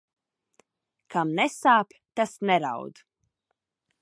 Kam nesāp, tas neraud.